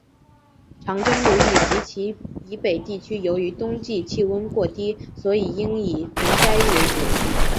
长江流域及其以北地区由于冬季气温过低所以应以盆栽为主。